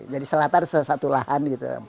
jadi selatar sesatu lahan